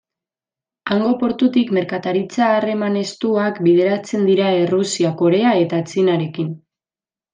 Hango portutik merkataritza-harreman estuak bideratzen dira Errusia, Korea eta Txinarekin.